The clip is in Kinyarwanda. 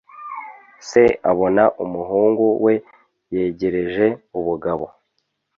se abona umuhungu we yegereje ubugabo